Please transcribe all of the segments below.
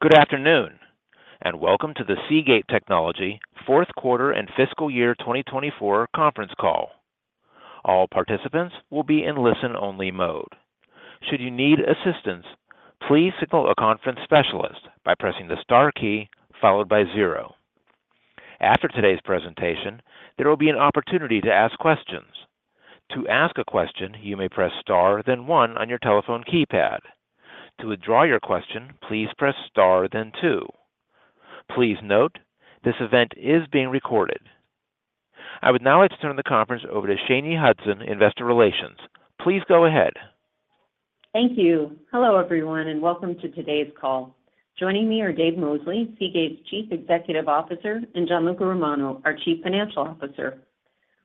Good afternoon, and welcome to the Seagate Technology fourth quarter and fiscal year 2024 conference call. All participants will be in listen-only mode. Should you need assistance, please signal a conference specialist by pressing the star key followed by zero. After today's presentation, there will be an opportunity to ask questions. To ask a question, you may press star, then one on your telephone keypad. To withdraw your question, please press star, then two. Please note, this event is being recorded. I would now like to turn the conference over to Shayne Hudson, Investor Relations. Please go ahead. Thank you. Hello, everyone, and welcome to today's call. Joining me are Dave Mosley, Seagate's Chief Executive Officer, and Gianluca Romano, our Chief Financial Officer.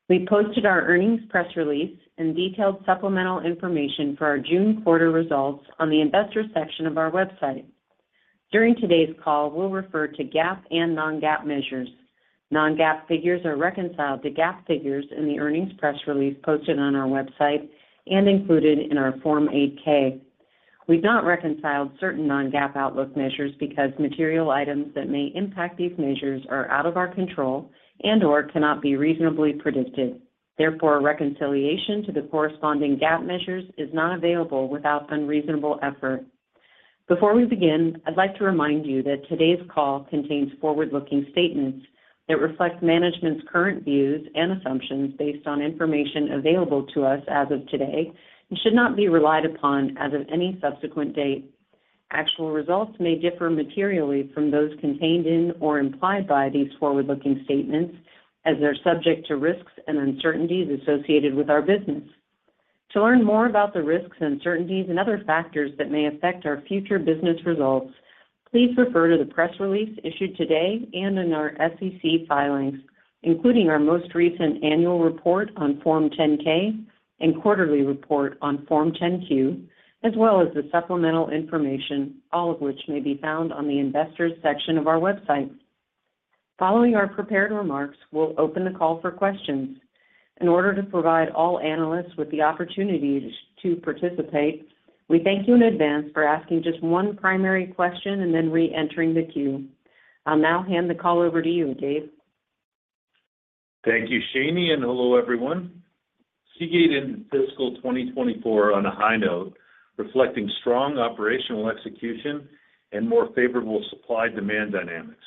We posted our earnings press release and detailed supplemental information for our June quarter results on the investor section of our website. During today's call, we'll refer to GAAP and non-GAAP measures. Non-GAAP figures are reconciled to GAAP figures in the earnings press release posted on our website and included in our Form 8-K. We've not reconciled certain non-GAAP outlook measures because material items that may impact these measures are out of our control and/or cannot be reasonably predicted. Therefore, reconciliation to the corresponding GAAP measures is not available without unreasonable effort. Before we begin, I'd like to remind you that today's call contains forward-looking statements that reflect management's current views and assumptions based on information available to us as of today and should not be relied upon as of any subsequent date. Actual results may differ materially from those contained in or implied by these forward-looking statements, as they're subject to risks and uncertainties associated with our business. To learn more about the risks, uncertainties, and other factors that may affect our future business results, please refer to the press release issued today and in our SEC filings, including our most recent annual report on Form 10-K and quarterly report on Form 10-Q, as well as the supplemental information, all of which may be found on the investors section of our website. Following our prepared remarks, we'll open the call for questions. In order to provide all analysts with the opportunity to participate, we thank you in advance for asking just one primary question and then re-entering the queue. I'll now hand the call over to you, Dave. Thank you, Shayne, and hello, everyone. Seagate ended fiscal 2024 on a high note, reflecting strong operational execution and more favorable supply-demand dynamics.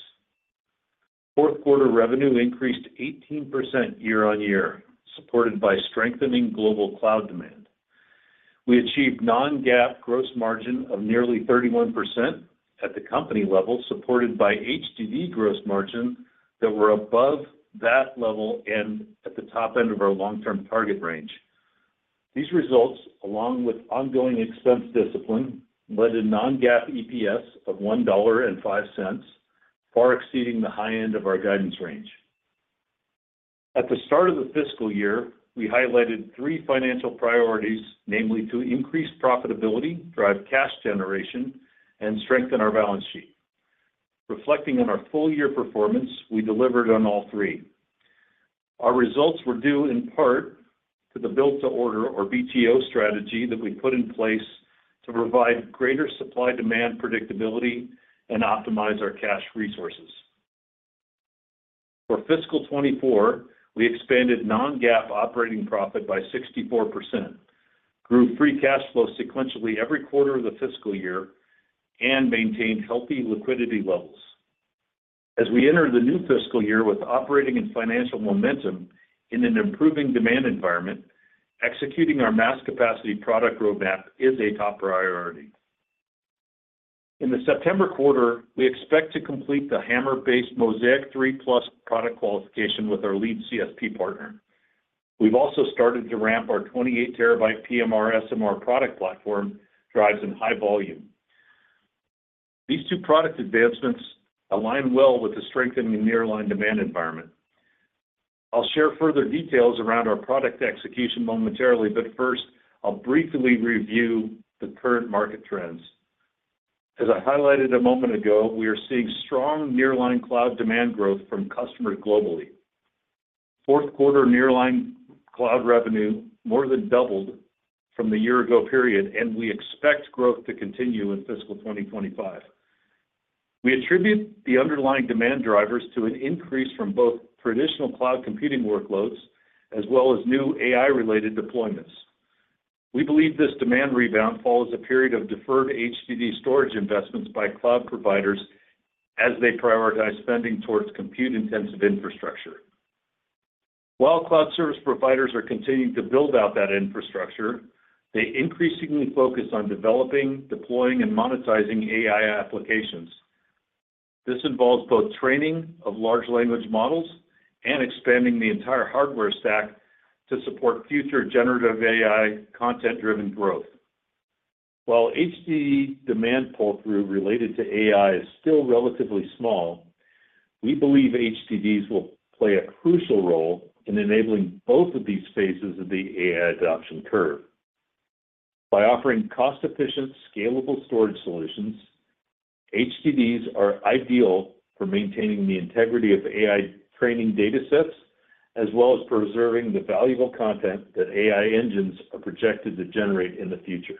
Fourth quarter revenue increased 18% year-on-year, supported by strengthening global cloud demand. We achieved non-GAAP gross margin of nearly 31% at the company level, supported by HDD gross margins that were above that level and at the top end of our long-term target range. These results, along with ongoing expense discipline, led to non-GAAP EPS of $1.05, far exceeding the high end of our guidance range. At the start of the fiscal year, we highlighted three financial priorities, namely to increase profitability, drive cash generation, and strengthen our balance sheet. Reflecting on our full-year performance, we delivered on all three. Our results were due, in part, to the build-to-order, or BTO, strategy that we put in place to provide greater supply-demand predictability and optimize our cash resources. For fiscal 2024, we expanded non-GAAP operating profit by 64%, grew free cash flow sequentially every quarter of the fiscal year, and maintained healthy liquidity levels. As we enter the new fiscal year with operating and financial momentum in an improving demand environment, executing our mass capacity product roadmap is a top priority. In the September quarter, we expect to complete the HAMR-based Mozaic 3+ product qualification with our lead CSP partner. We've also started to ramp our 28-terabyte PMR SMR product platform, drives, in high volume. These two product advancements align well with the strengthening nearline demand environment. I'll share further details around our product execution momentarily, but first, I'll briefly review the current market trends. As I highlighted a moment ago, we are seeing strong nearline cloud demand growth from customers globally. Fourth quarter nearline cloud revenue more than doubled from the year-ago period, and we expect growth to continue in fiscal 2025. We attribute the underlying demand drivers to an increase from both traditional cloud computing workloads as well as new AI-related deployments. We believe this demand rebound follows a period of deferred HDD storage investments by cloud providers as they prioritize spending towards compute-intensive infrastructure. While cloud service providers are continuing to build out that infrastructure, they increasingly focus on developing, deploying, and monetizing AI applications. This involves both training of large language models and expanding the entire hardware stack to support future generative AI content-driven growth. While HDD demand pull-through related to AI is still relatively small, we believe HDDs will play a crucial role in enabling both of these phases of the AI adoption curve. By offering cost-efficient, scalable storage solutions, HDDs are ideal for maintaining the integrity of AI training datasets as well as preserving the valuable content that AI engines are projected to generate in the future.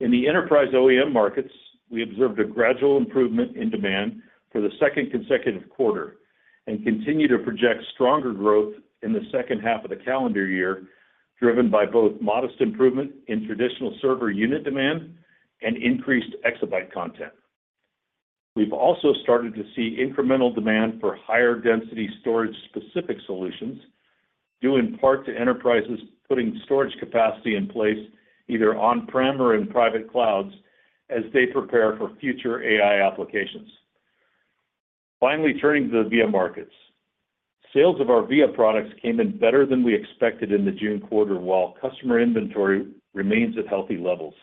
In the enterprise OEM markets, we observed a gradual improvement in demand for the second consecutive quarter and continue to project stronger growth in the second half of the calendar year, driven by both modest improvement in traditional server unit demand and increased exabyte content. We've also started to see incremental demand for higher-density storage-specific solutions, due in part to enterprises putting storage capacity in place either on-prem or in private clouds as they prepare for future AI applications. Finally, turning to the VIA markets, sales of our VIA products came in better than we expected in the June quarter, while customer inventory remains at healthy levels.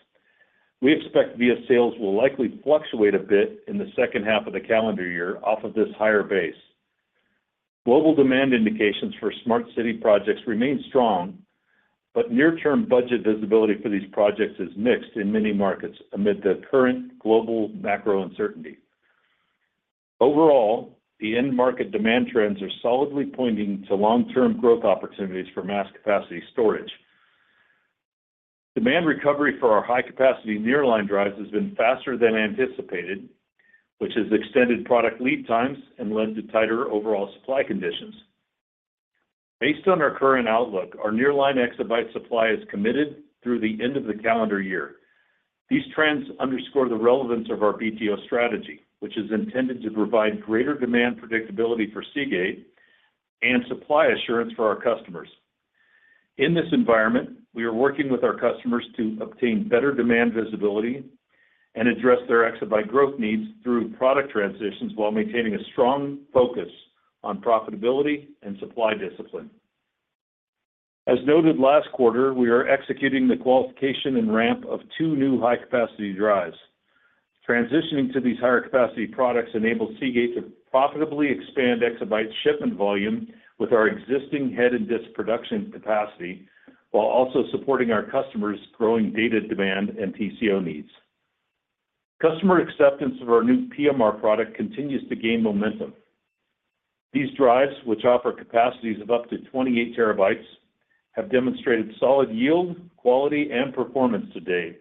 We expect VIA sales will likely fluctuate a bit in the second half of the calendar year off of this higher base. Global demand indications for smart city projects remain strong, but near-term budget visibility for these projects is mixed in many markets amid the current global macro uncertainty. Overall, the end-market demand trends are solidly pointing to long-term growth opportunities for mass capacity storage. Demand recovery for our high-capacity nearline drives has been faster than anticipated, which has extended product lead times and led to tighter overall supply conditions. Based on our current outlook, our nearline exabyte supply is committed through the end of the calendar year. These trends underscore the relevance of our BTO strategy, which is intended to provide greater demand predictability for Seagate and supply assurance for our customers. In this environment, we are working with our customers to obtain better demand visibility and address their exabyte growth needs through product transitions while maintaining a strong focus on profitability and supply discipline. As noted last quarter, we are executing the qualification and ramp of 2 new high-capacity drives. Transitioning to these higher-capacity products enables Seagate to profitably expand exabyte shipment volume with our existing head-and-disk production capacity while also supporting our customers' growing data demand and TCO needs. Customer acceptance of our new PMR product continues to gain momentum. These drives, which offer capacities of up to 28 TB, have demonstrated solid yield, quality, and performance today.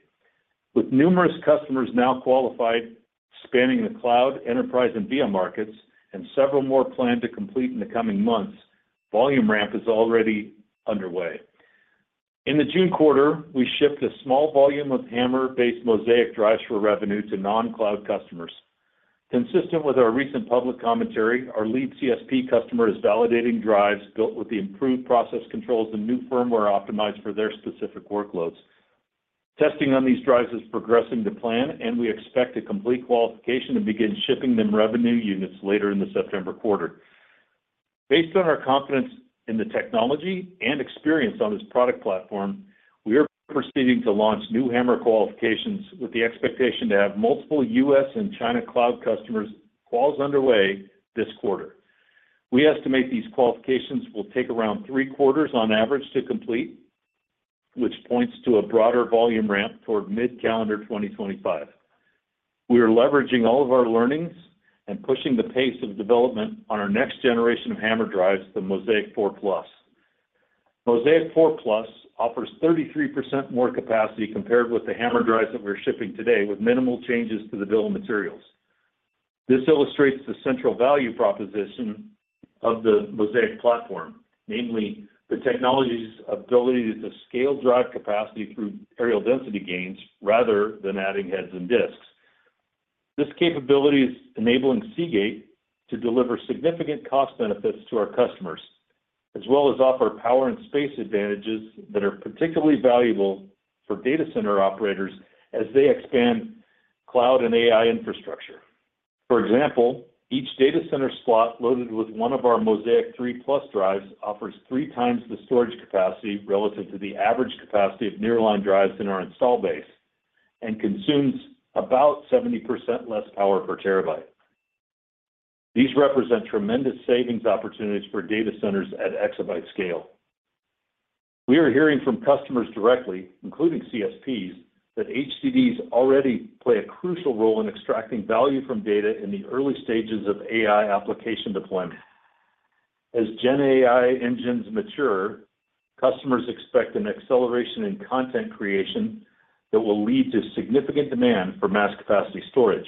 With numerous customers now qualified spanning the cloud, enterprise, and VIA markets, and several more planned to complete in the coming months, volume ramp is already underway. In the June quarter, we shipped a small volume of HAMR-based Mozaic drives for revenue to non-cloud customers. Consistent with our recent public commentary, our lead CSP customer is validating drives built with the improved process controls and new firmware optimized for their specific workloads. Testing on these drives is progressing to plan, and we expect to complete qualification and begin shipping them revenue units later in the September quarter. Based on our confidence in the technology and experience on this product platform, we are proceeding to launch new HAMR qualifications with the expectation to have multiple U.S. and China cloud customers' calls underway this quarter. We estimate these qualifications will take around three quarters on average to complete, which points to a broader volume ramp toward mid-calendar 2025. We are leveraging all of our learnings and pushing the pace of development on our next generation of HAMR drives, the Mozaic 4+. Mozaic 4+ offers 33% more capacity compared with the HAMR drives that we're shipping today, with minimal changes to the bill of materials. This illustrates the central value proposition of the Mozaic platform, namely the technology's ability to scale drive capacity through areal density gains rather than adding heads and disks. This capability is enabling Seagate to deliver significant cost benefits to our customers, as well as offer power and space advantages that are particularly valuable for data center operators as they expand cloud and AI infrastructure. For example, each data center slot loaded with one of our Mozaic 3+ drives offers three times the storage capacity relative to the average capacity of nearline drives in our installed base and consumes about 70% less power per terabyte. These represent tremendous savings opportunities for data centers at exabyte scale. We are hearing from customers directly, including CSPs, that HDDs already play a crucial role in extracting value from data in the early stages of AI application deployment. As GenAI engines mature, customers expect an acceleration in content creation that will lead to significant demand for mass capacity storage.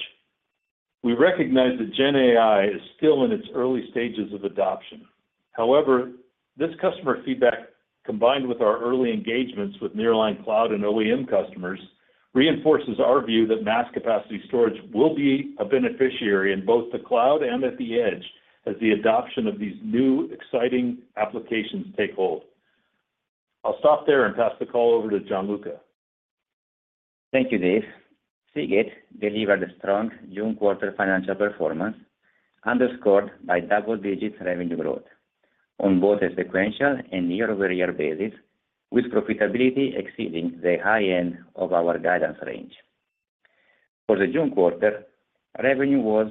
We recognize that GenAI is still in its early stages of adoption. However, this customer feedback, combined with our early engagements with nearline cloud and OEM customers, reinforces our view that mass capacity storage will be a beneficiary in both the cloud and at the edge as the adoption of these new exciting applications takes hold. I'll stop there and pass the call over to Gianluca. Thank you, Dave. Seagate delivered a strong June quarter financial performance underscored by double-digit revenue growth on both a sequential and year-over-year basis, with profitability exceeding the high end of our guidance range. For the June quarter, revenue was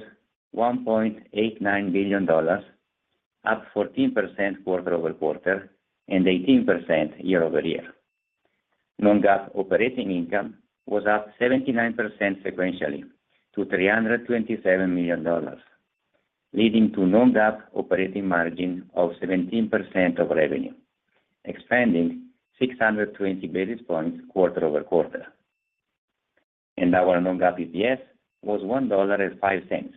$1.89 billion, up 14% quarter-over-quarter and 18% year-over-year. Non-GAAP operating income was up 79% sequentially to $327 million, leading to a non-GAAP operating margin of 17% of revenue, expanding 620 basis points quarter-over-quarter. Our non-GAAP EPS was $1.05,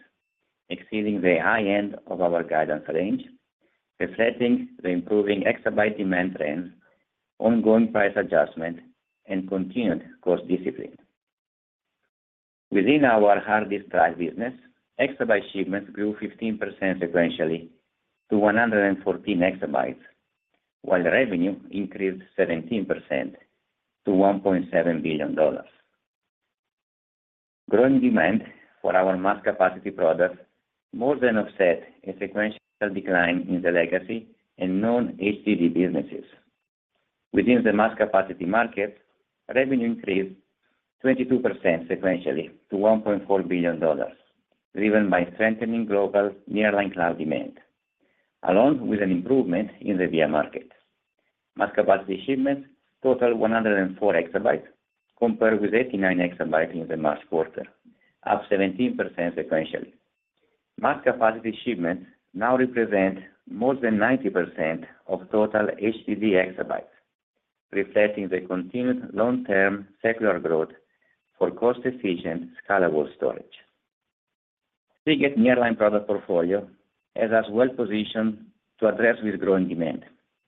exceeding the high end of our guidance range, reflecting the improving exabyte demand trends, ongoing price adjustment, and continued cost discipline. Within our hard disk drive business, exabyte shipments grew 15% sequentially to 114 exabytes, while revenue increased 17% to $1.7 billion. Growing demand for our mass capacity products more than offset a sequential decline in the legacy and non-HDD businesses. Within the mass capacity market, revenue increased 22% sequentially to $1.4 billion, driven by strengthening global nearline cloud demand, along with an improvement in the VIA market. Mass capacity shipments totaled 104 exabytes, compared with 89 exabytes in the March quarter, up 17% sequentially. Mass capacity shipments now represent more than 90% of total HDD exabytes, reflecting the continued long-term secular growth for cost-efficient, scalable storage. Seagate's nearline product portfolio has us well-positioned to address this growing demand.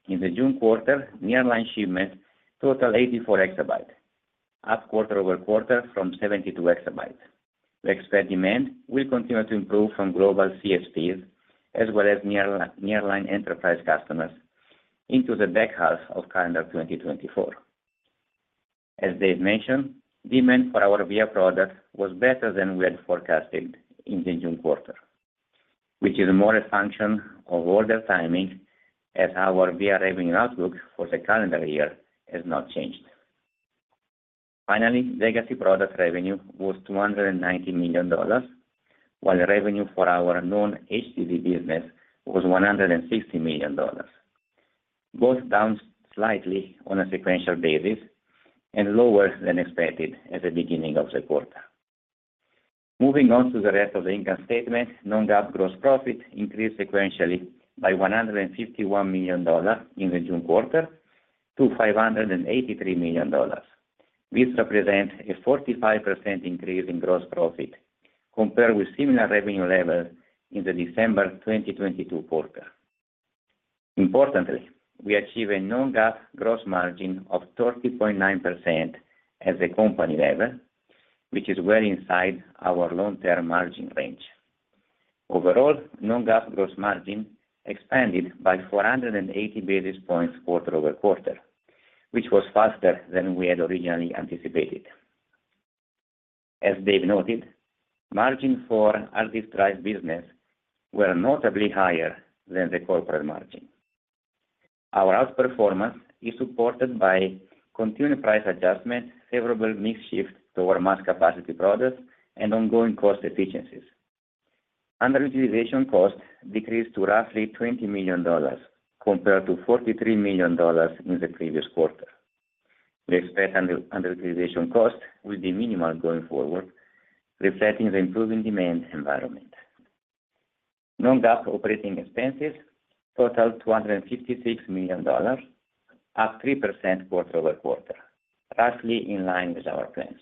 In the June quarter, nearline shipments totaled 84 exabytes, up quarter-over-quarter from 72 exabytes. Expect demand will continue to improve from global CSPs as well as nearline enterprise customers into the back half of calendar 2024. As Dave mentioned, demand for our VIA product was better than we had forecasted in the June quarter, which is more a function of order timing as our VIA revenue outlook for the calendar year has not changed. Finally, legacy product revenue was $290 million, while revenue for our non-HDD business was $160 million, both down slightly on a sequential basis and lower than expected at the beginning of the quarter. Moving on to the rest of the income statement, non-GAAP gross profit increased sequentially by $151 million in the June quarter to $583 million, which represents a 45% increase in gross profit compared with similar revenue levels in the December 2022 quarter. Importantly, we achieved a non-GAAP gross margin of 30.9% at the company level, which is well inside our long-term margin range. Overall, non-GAAP gross margin expanded by 480 basis points quarter-over-quarter, which was faster than we had originally anticipated. As Dave noted, margins for hard disk drive business were notably higher than the corporate margin. Our outperformance is supported by continued price adjustment, favorable mix shift toward mass capacity products, and ongoing cost efficiencies. Underutilization cost decreased to roughly $20 million compared to $43 million in the previous quarter. We expect underutilization costs will be minimal going forward, reflecting the improving demand environment. Non-GAAP operating expenses totaled $256 million, up 3% quarter-over-quarter, roughly in line with our plans.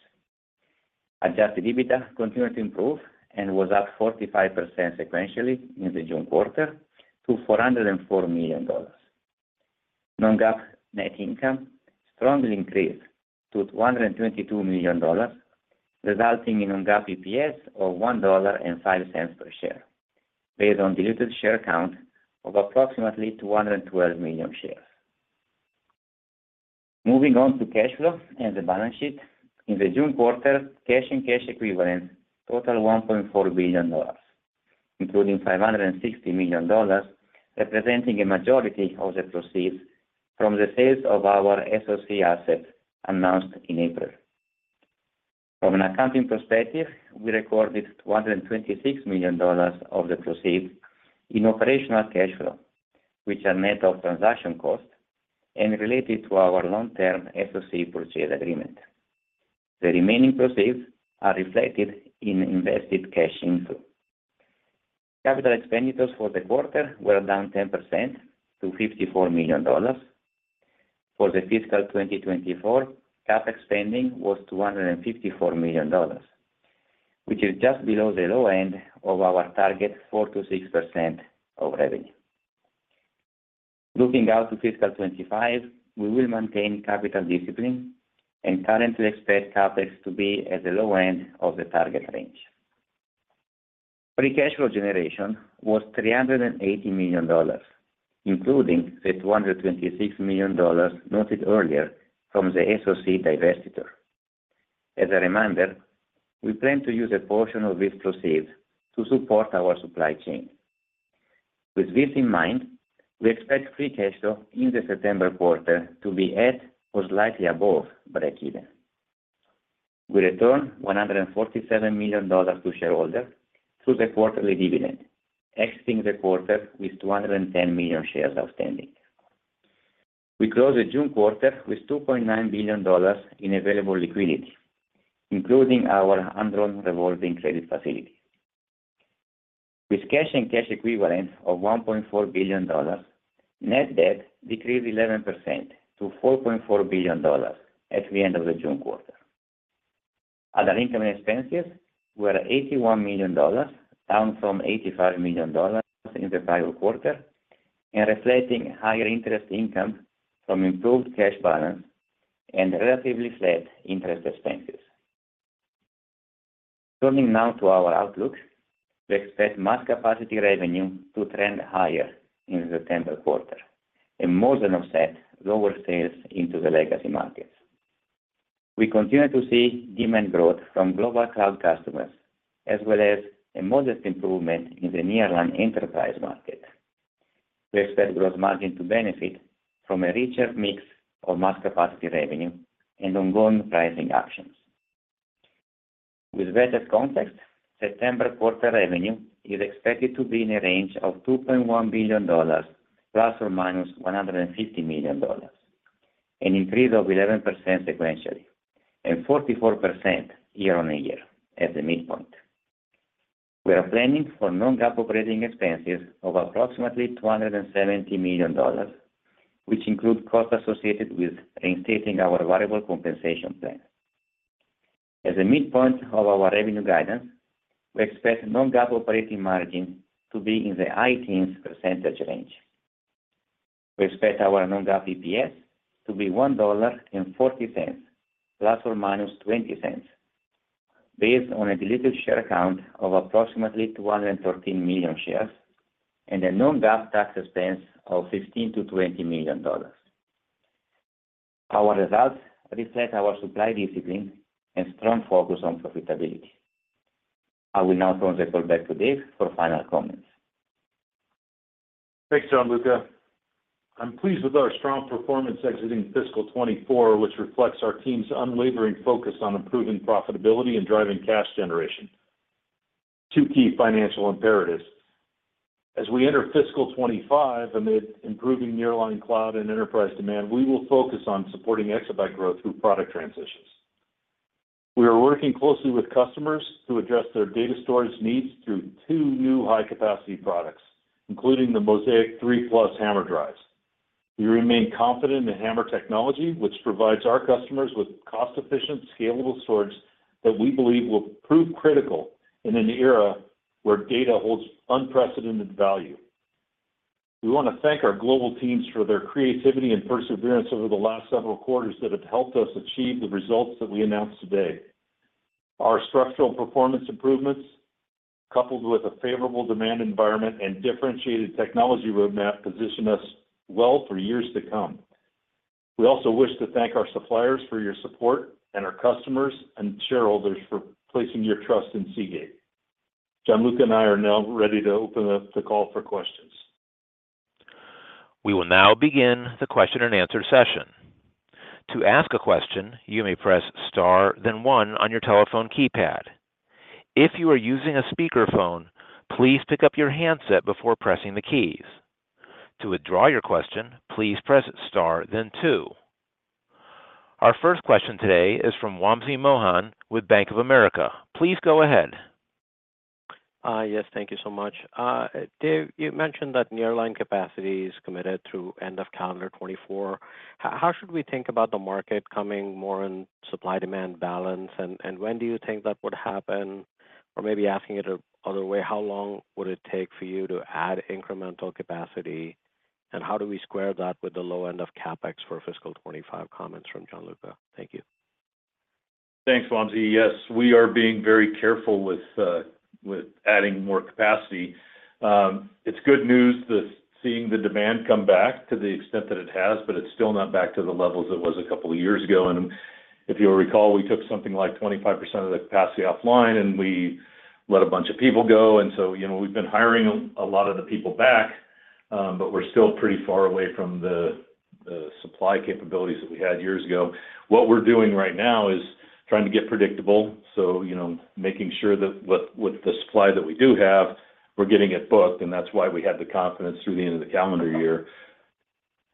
Adjusted EBITDA continued to improve and was up 45% sequentially in the June quarter to $404 million. Non-GAAP net income strongly increased to $222 million, resulting in a non-GAAP EPS of $1.05 per share, based on a diluted share count of approximately 212 million shares. Moving on to cash flow and the balance sheet, in the June quarter, cash and cash equivalents totaled $1.4 billion, including $560 million, representing a majority of the proceeds from the sales of our SoC assets announced in April. From an accounting perspective, we recorded $226 million of the proceeds in operational cash flow, which are net of transaction costs and related to our long-term SoC purchase agreement. The remaining proceeds are reflected in invested cash inflow. Capital expenditures for the quarter were down 10% to $54 million. For fiscal 2024, capex spending was $254 million, which is just below the low end of our target 4%-6% of revenue. Looking out to fiscal 2025, we will maintain capital discipline and currently expect capex to be at the low end of the target range. cash flow generation was $380 million, including the $226 million noted earlier from the SoC divestiture. As a reminder, we plan to use a portion of these proceeds to support our supply chain. With this in mind, we expect free cash flow in the September quarter to be at or slightly above break-even. We returned $147 million to shareholders through the quarterly dividend, exiting the quarter with 210 million shares outstanding. We closed the June quarter with $2.9 billion in available liquidity, including our undrawn revolving credit facility. With cash and cash equivalents of $1.4 billion, net debt decreased 11% to $4.4 billion at the end of the June quarter. Other income and expenses were $81 million, down from $85 million in the prior quarter, and reflecting higher interest income from improved cash balance and relatively flat interest expenses. Turning now to our outlook, we expect mass capacity revenue to trend higher in the September quarter, and more than offset lower sales into the legacy markets. We continue to see demand growth from global cloud customers, as well as a modest improvement in the nearline enterprise market. We expect gross margin to benefit from a richer mix of mass capacity revenue and ongoing pricing actions. With that as context, September quarter revenue is expected to be in a range of $2.1 billion ± $150 million, an increase of 11% sequentially and 44% year-over-year at the midpoint. We are planning for non-GAAP operating expenses of approximately $270 million, which include costs associated with reinstating our variable compensation plan. As a midpoint of our revenue guidance, we expect non-GAAP operating margin to be in the 18% range. We expect our non-GAAP EPS to be $1.40, plus or minus $0.20, based on a diluted share count of approximately 213 million shares and a non-GAAP tax expense of $15 million-$20 million. Our results reflect our supply discipline and strong focus on profitability. I will now turn the call back to Dave for final comments. Thanks, Gianluca. I'm pleased with our strong performance exiting fiscal 2024, which reflects our team's unwavering focus on improving profitability and driving cash generation, two key financial imperatives. As we enter fiscal 2025, amid improving nearline cloud and enterprise demand, we will focus on supporting exabyte growth through product transitions. We are working closely with customers to address their data storage needs through two new high-capacity products, including the Mozaic 3+ HAMR drives. We remain confident in the HAMR technology, which provides our customers with cost-efficient, scalable storage that we believe will prove critical in an era where data holds unprecedented value. We want to thank our global teams for their creativity and perseverance over the last several quarters that have helped us achieve the results that we announced today. Our structural performance improvements, coupled with a favorable demand environment and differentiated technology roadmap, position us well for years to come. We also wish to thank our suppliers for your support and our customers and shareholders for placing your trust in Seagate. Gianluca and I are now ready to open up the call for questions. We will now begin the question-and-answer session. To ask a question, you may press star, then one on your telephone keypad. If you are using a speakerphone, please pick up your handset before pressing the keys. To withdraw your question, please press star, then two. Our first question today is from Wamsi Mohan with Bank of America. Please go ahead. Yes, thank you so much. Dave, you mentioned that nearline capacity is committed through end of calendar 2024. How should we think about the market coming more in supply-demand balance, and when do you think that would happen? Or maybe asking it another way, how long would it take for you to add incremental capacity, and how do we square that with the low end of CapEx for fiscal 2025? Comments from Gianluca. Thank you. Thanks, Wamsi. Yes, we are being very careful with adding more capacity. It's good news seeing the demand come back to the extent that it has, but it's still not back to the levels it was a couple of years ago. And if you'll recall, we took something like 25% of the capacity offline, and we let a bunch of people go. And so we've been hiring a lot of the people back, but we're still pretty far away from the supply capabilities that we had years ago. What we're doing right now is trying to get predictable, so making sure that with the supply that we do have, we're getting it booked, and that's why we had the confidence through the end of the calendar year.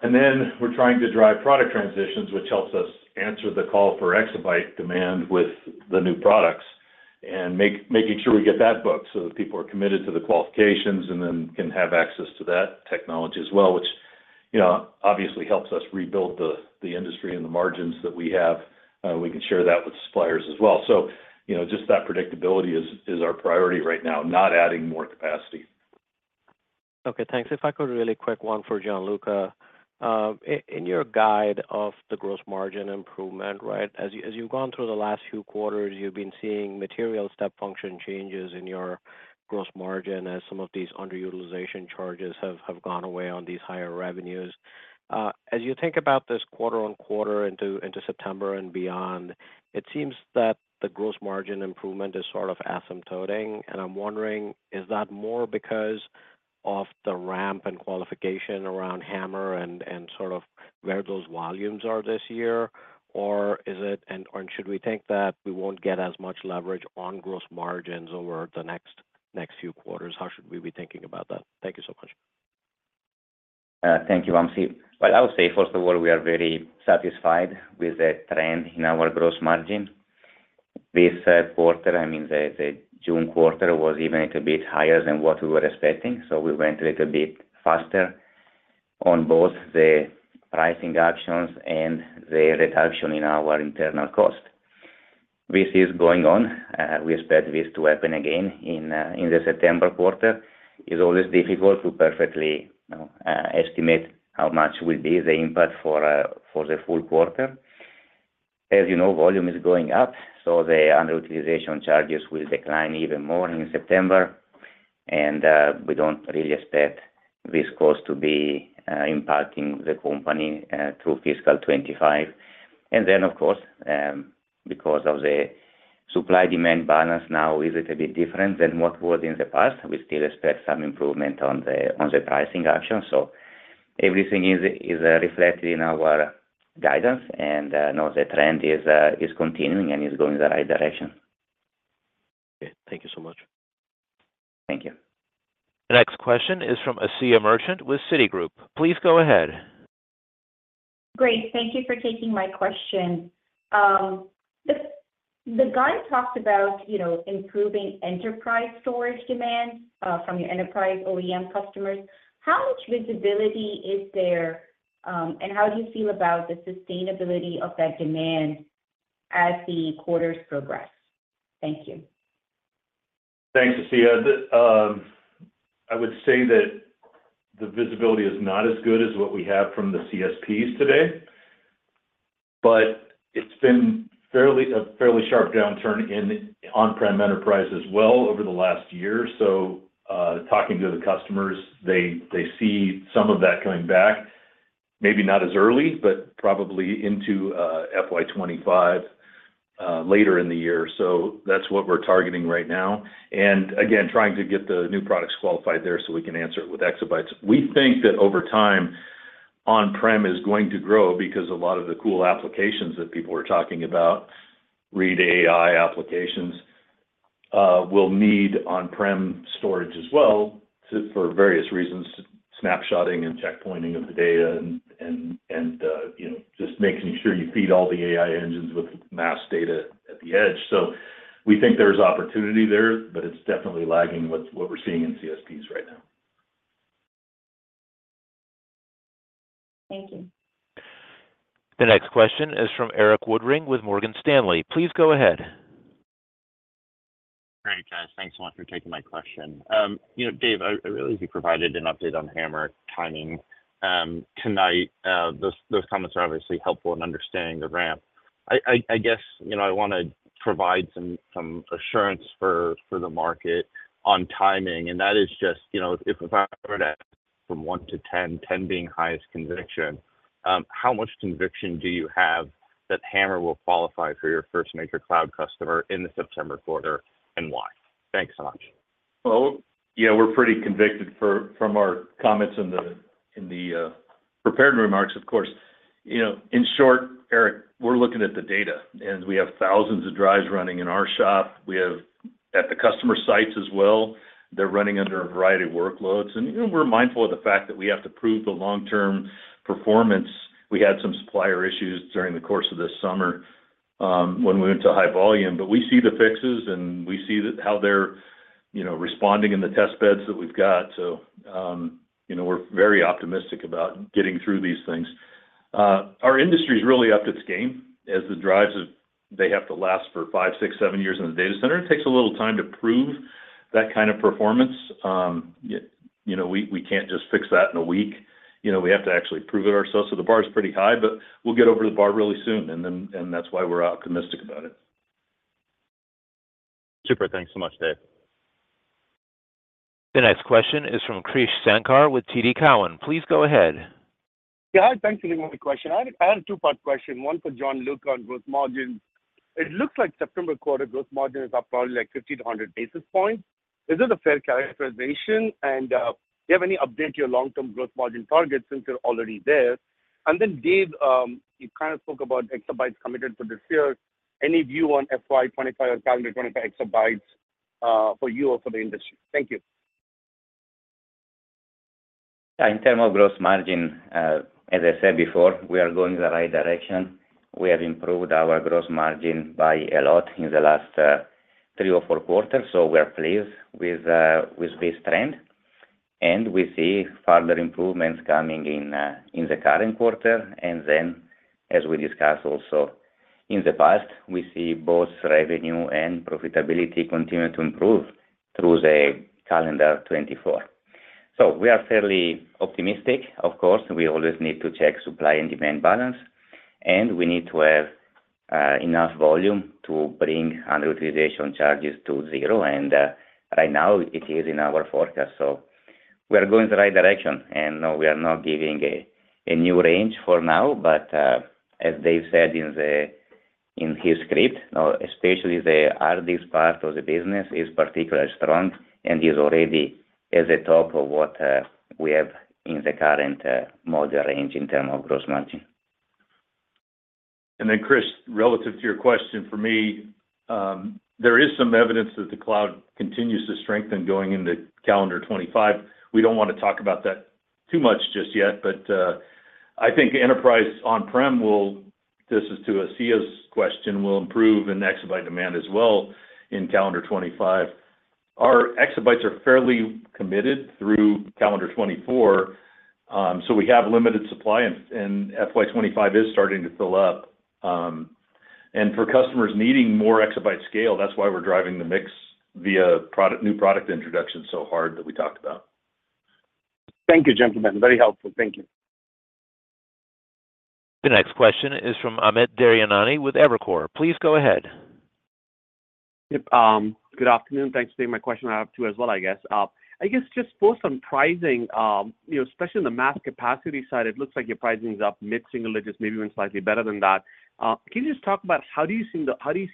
Then we're trying to drive product transitions, which helps us answer the call for exabyte demand with the new products and making sure we get that booked so that people are committed to the qualifications and then can have access to that technology as well, which obviously helps us rebuild the industry and the margins that we have. We can share that with suppliers as well. Just that predictability is our priority right now, not adding more capacity. Okay, thanks. If I could, really quick one for Gianluca. In your guide of the gross margin improvement, right, as you've gone through the last few quarters, you've been seeing material step function changes in your gross margin as some of these underutilization charges have gone away on these higher revenues. As you think about this quarter-on-quarter into September and beyond, it seems that the gross margin improvement is sort of asymptoting. And I'm wondering, is that more because of the ramp and qualification around HAMR and sort of where those volumes are this year, or should we think that we won't get as much leverage on gross margins over the next few quarters? How should we be thinking about that? Thank you so much. Thank you, Wamsi. Well, I would say, first of all, we are very satisfied with the trend in our gross margin. This quarter, I mean, the June quarter was even a bit higher than what we were expecting, so we went a little bit faster on both the pricing actions and the reduction in our internal cost. This is going on. We expect this to happen again in the September quarter. It's always difficult to perfectly estimate how much will be the impact for the full quarter. As you know, volume is going up, so the underutilization charges will decline even more in September, and we don't really expect this cost to be impacting the company through fiscal 2025. And then, of course, because of the supply-demand balance now is a bit different than what was in the past, we still expect some improvement on the pricing action. Everything is reflected in our guidance, and the trend is continuing and is going in the right direction. Okay, thank you so much. Thank you. The next question is from Asiya Merchant with Citigroup. Please go ahead. Great. Thank you for taking my question. The guide talks about improving enterprise storage demand from your enterprise OEM customers. How much visibility is there, and how do you feel about the sustainability of that demand as the quarters progress? Thank you. Thanks, Asiya. I would say that the visibility is not as good as what we have from the CSPs today, but it's been a fairly sharp downturn in on-prem enterprise as well over the last year. So talking to the customers, they see some of that coming back, maybe not as early, but probably into FY25 later in the year. So that's what we're targeting right now. And again, trying to get the new products qualified there so we can answer it with exabytes. We think that over time, on-prem is going to grow because a lot of the cool applications that people were talking about, real AI applications, will need on-prem storage as well for various reasons: snapshotting and checkpointing of the data and just making sure you feed all the AI engines with massive data at the edge. We think there's opportunity there, but it's definitely lagging with what we're seeing in CSPs right now. Thank you. The next question is from Erik Woodring with Morgan Stanley. Please go ahead. Great, guys. Thanks so much for taking my question. Dave, I really hope you provided an update on HAMR timing tonight. Those comments are obviously helpful in understanding the ramp. I guess I want to provide some assurance for the market on timing, and that is just if I were to ask from 1 to 10, 10 being highest conviction, how much conviction do you have that HAMR will qualify for your first major cloud customer in the September quarter and why? Thanks so much. Well, yeah, we're pretty convicted from our comments in the prepared remarks, of course. In short, Erik, we're looking at the data, and we have thousands of drives running in our shop. We have at the customer sites as well. They're running under a variety of workloads, and we're mindful of the fact that we have to prove the long-term performance. We had some supplier issues during the course of this summer when we went to high volume, but we see the fixes, and we see how they're responding in the test beds that we've got. So we're very optimistic about getting through these things. Our industry is really up to its game as the drives have to last for five, six, seven years in the data center. It takes a little time to prove that kind of performance. We can't just fix that in a week. We have to actually prove it ourselves. So the bar is pretty high, but we'll get over the bar really soon, and that's why we're optimistic about it. Super. Thanks so much, Dave. The next question is from Krish Sankar with TD Cowen. Please go ahead. Yeah, hi. Thanks for the question. I had a two-part question, one for Gianluca on gross margins. It looks like September quarter gross margins are probably like 1,500 basis points. Is it a fair characterization? And do you have any update to your long-term gross margin targets since you're already there? And then, Dave, you kind of spoke about exabytes committed for this year. Any view on FY25 or calendar 25 exabytes for you or for the industry? Thank you. Yeah, in terms of gross margin, as I said before, we are going in the right direction. We have improved our gross margin by a lot in the last three or four quarters, so we're pleased with this trend. We see further improvements coming in the current quarter. Then, as we discussed also in the past, we see both revenue and profitability continue to improve through the calendar 2024. We are fairly optimistic, of course. We always need to check supply and demand balance, and we need to have enough volume to bring underutilization charges to zero. Right now, it is in our forecast. We're going in the right direction. No, we are not giving a new range for now, but as Dave said in his script, especially the hard disk part of the business is particularly strong and is already at the top of what we have in the current model range in terms of gross margin. Then, Krish, relative to your question, for me, there is some evidence that the cloud continues to strengthen going into calendar 2025. We don't want to talk about that too much just yet, but I think enterprise on-prem, this is to Asiya's question, will improve in exabyte demand as well in calendar 2025. Our exabytes are fairly committed through calendar 2024, so we have limited supply, and FY25 is starting to fill up. For customers needing more exabyte scale, that's why we're driving the mix via new product introduction so hard that we talked about. Thank you, gentlemen. Very helpful. Thank you. The next question is from Amit Daryanani with Evercore. Please go ahead. Yep. Good afternoon. Thanks for taking my question out of the queue as well, I guess. I guess just for some pricing, especially on the mass capacity side, it looks like your pricing is up mid-single, just maybe even slightly better than that. Can you just talk about how do you see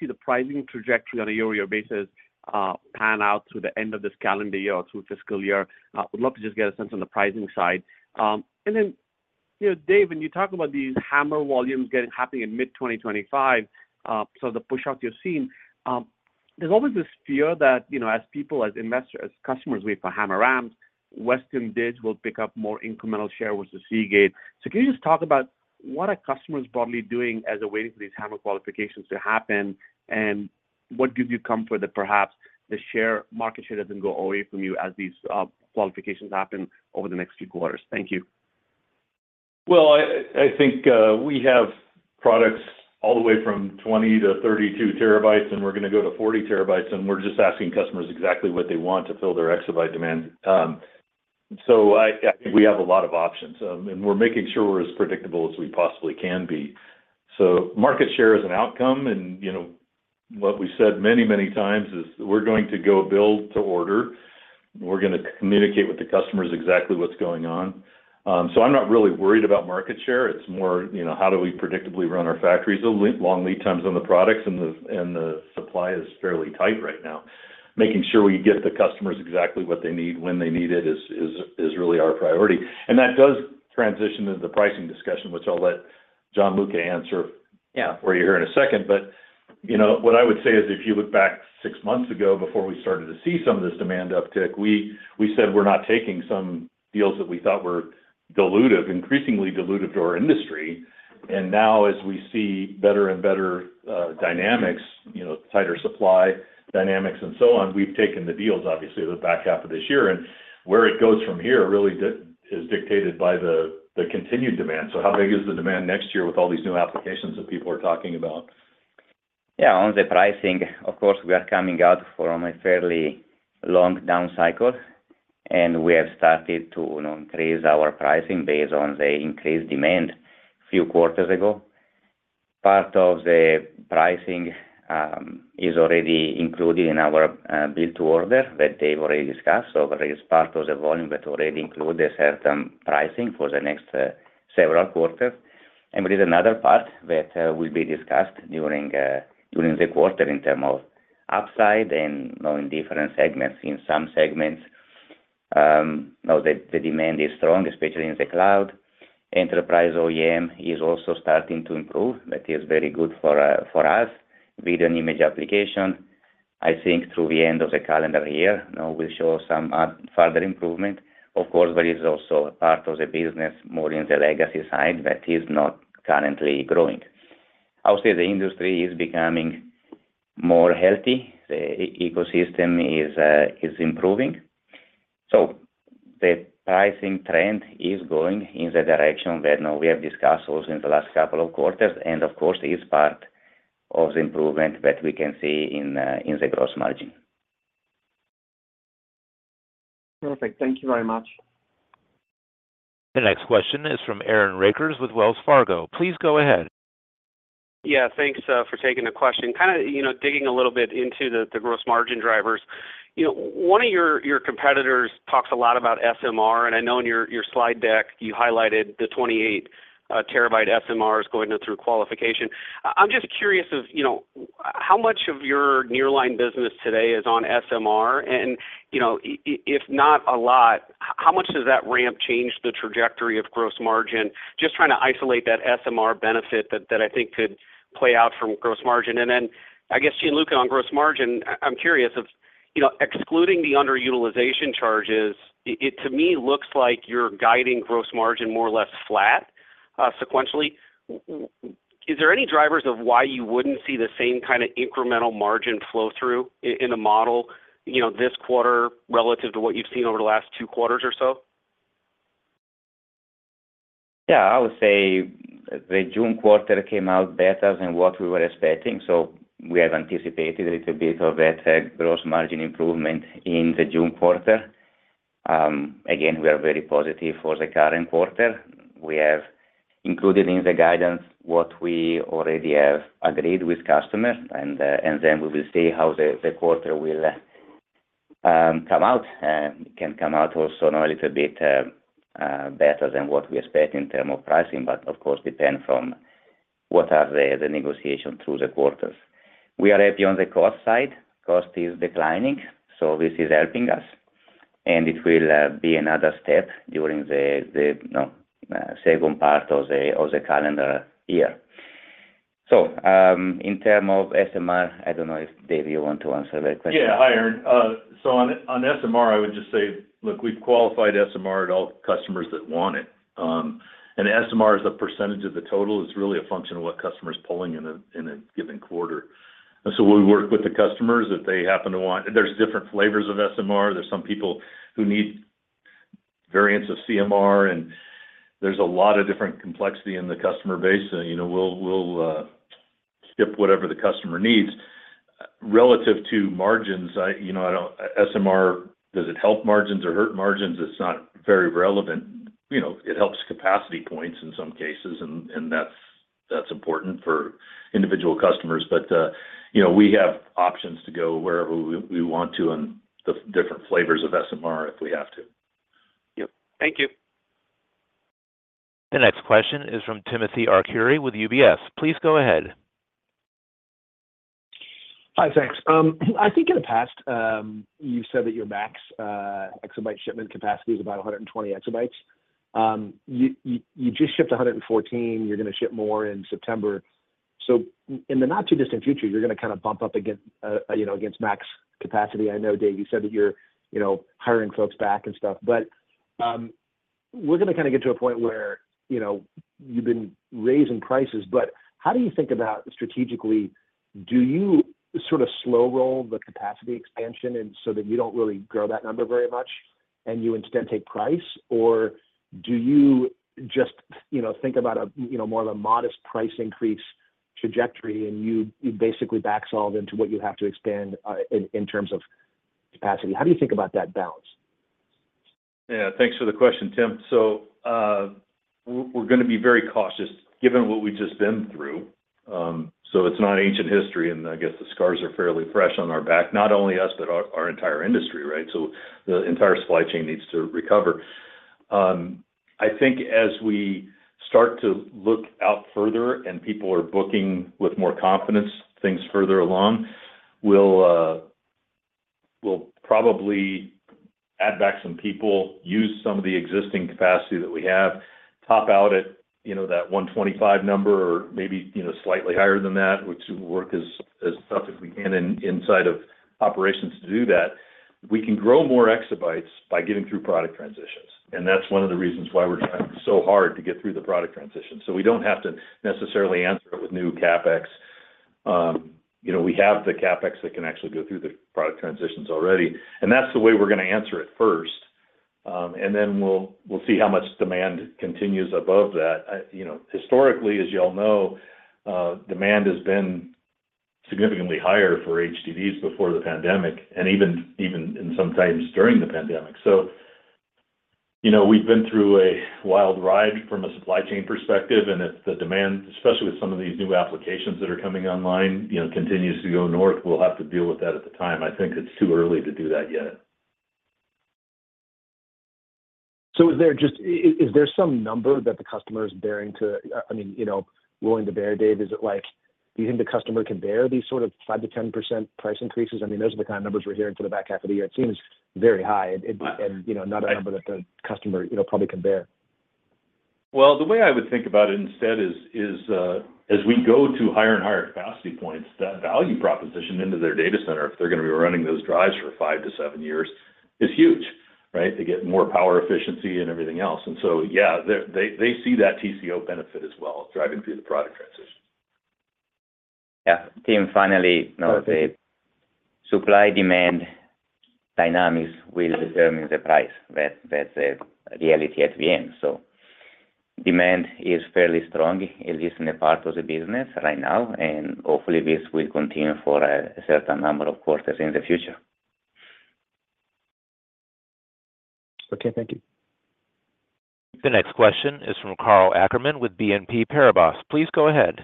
the pricing trajectory on a year-over-year basis pan out through the end of this calendar year or through fiscal year? Would love to just get a sense on the pricing side. And then, Dave, when you talk about these HAMR volumes happening in mid-2025, so the push-out you've seen, there's always this fear that as people, as investors, as customers wait for HAMR, Western Digital will pick up more incremental share versus Seagate. Can you just talk about what are customers broadly doing as they're waiting for these HAMR qualifications to happen and what gives you comfort that perhaps the market share doesn't go away from you as these qualifications happen over the next few quarters? Thank you. Well, I think we have products all the way from 20-32 TB, and we're going to go to 40 TB, and we're just asking customers exactly what they want to fill their exabyte demand. So I think we have a lot of options, and we're making sure we're as predictable as we possibly can be. So market share is an outcome, and what we've said many, many times is we're going to go build to order. We're going to communicate with the customers exactly what's going on. So I'm not really worried about market share. It's more how do we predictably run our factories, the long lead times on the products, and the supply is fairly tight right now. Making sure we get the customers exactly what they need when they need it is really our priority. That does transition into the pricing discussion, which I'll let Gianluca answer for you here in a second. But what I would say is if you look back six months ago before we started to see some of this demand uptick, we said we're not taking some deals that we thought were deluded, increasingly deluded to our industry. And now, as we see better and better dynamics, tighter supply dynamics, and so on, we've taken the deals, obviously, the back half of this year. And where it goes from here really is dictated by the continued demand. So how big is the demand next year with all these new applications that people are talking about? Yeah, on the pricing, of course, we are coming out from a fairly long down cycle, and we have started to increase our pricing based on the increased demand a few quarters ago. Part of the pricing is already included in our build-to-order that they've already discussed. So there is part of the volume that already includes a certain pricing for the next several quarters. And there is another part that will be discussed during the quarter in terms of upside and in different segments. In some segments, the demand is strong, especially in the cloud. Enterprise OEM is also starting to improve. That is very good for us. Video and image application, I think through the end of the calendar year, we'll show some further improvement. Of course, there is also a part of the business more in the legacy side that is not currently growing. I would say the industry is becoming more healthy. The ecosystem is improving. So the pricing trend is going in the direction that we have discussed also in the last couple of quarters. Of course, it's part of the improvement that we can see in the gross margin. Perfect. Thank you very much. The next question is from Aaron Rakers with Wells Fargo. Please go ahead. Yeah, thanks for taking the question. Kind of digging a little bit into the gross margin drivers, one of your competitors talks a lot about SMR, and I know in your slide deck you highlighted the 28TB SMRs going through qualification. I'm just curious of how much of your nearline business today is on SMR, and if not a lot, how much does that ramp change the trajectory of gross margin? Just trying to isolate that SMR benefit that I think could play out from gross margin. And then I guess Gianluca on gross margin, I'm curious of excluding the underutilization charges, it to me looks like you're guiding gross margin more or less flat sequentially. Is there any drivers of why you wouldn't see the same kind of incremental margin flow-through in the model this quarter relative to what you've seen over the last two quarters or so? Yeah, I would say the June quarter came out better than what we were expecting. So we have anticipated a little bit of that gross margin improvement in the June quarter. Again, we are very positive for the current quarter. We have included in the guidance what we already have agreed with customers, and then we will see how the quarter will come out. It can come out also a little bit better than what we expect in terms of pricing, but of course, depends from what are the negotiations through the quarters. We are happy on the cost side. Cost is declining, so this is helping us, and it will be another step during the second part of the calendar year. So in terms of SMR, I don't know if Dave, you want to answer that question. Yeah, hi Erik. So on SMR, I would just say, look, we've qualified SMR at all customers that want it. And SMR is a percentage of the total. It's really a function of what customers are pulling in a given quarter. And so we work with the customers if they happen to want it; there's different flavors of SMR. There's some people who need variants of CMR, and there's a lot of different complexity in the customer base. We'll supply whatever the customer needs. Relative to margins, SMR—does it help margins or hurt margins? It's not very relevant. It helps capacity points in some cases, and that's important for individual customers. But we have options to go wherever we want to on the different flavors of SMR if we have to. Yep. Thank you. The next question is from Timothy Arcuri with UBS. Please go ahead. Hi, thanks. I think in the past, you said that your max exabyte shipment capacity is about 120 exabytes. You just shipped 114. You're going to ship more in September. So in the not-too-distant future, you're going to kind of bump up against max capacity. I know, Dave, you said that you're hiring folks back and stuff, but we're going to kind of get to a point where you've been raising prices. But how do you think about strategically? Do you sort of slow roll the capacity expansion so that you don't really grow that number very much and you instead take price, or do you just think about more of a modest price increase trajectory and you basically backsolve into what you have to expand in terms of capacity? How do you think about that balance? Yeah, thanks for the question, Tim. So we're going to be very cautious given what we've just been through. So it's not ancient history, and I guess the scars are fairly fresh on our back, not only us, but our entire industry, right? So the entire supply chain needs to recover. I think as we start to look out further and people are booking with more confidence things further along, we'll probably add back some people, use some of the existing capacity that we have, top out at that 125 number, or maybe slightly higher than that, which will work as tough as we can inside of operations to do that. We can grow more exabytes by getting through product transitions. And that's one of the reasons why we're trying so hard to get through the product transition. So we don't have to necessarily answer it with new CapEx. We have the CapEx that can actually go through the product transitions already. That's the way we're going to answer it first. Then we'll see how much demand continues above that. Historically, as you all know, demand has been significantly higher for HDDs before the pandemic, and even sometimes during the pandemic. We've been through a wild ride from a supply chain perspective, and if the demand, especially with some of these new applications that are coming online, continues to go north, we'll have to deal with that at the time. I think it's too early to do that yet. So is there some number that the customer is bearing to, I mean, willing to bear, Dave? Is it like do you think the customer can bear these sort of 5%-10% price increases? I mean, those are the kind of numbers we're hearing for the back half of the year. It seems very high and not a number that the customer probably can bear. Well, the way I would think about it instead is as we go to higher and higher capacity points, that value proposition into their data center, if they're going to be running those drives for 5-7 years, is huge, right? They get more power efficiency and everything else. And so, yeah, they see that TCO benefit as well driving through the product transition. Yeah. Tim, finally, supply-demand dynamics will determine the price. That's a reality at the end. So demand is fairly strong, at least in a part of the business right now, and hopefully this will continue for a certain number of quarters in the future. Okay. Thank you. The next question is from Karl Ackerman with BNP Paribas. Please go ahead.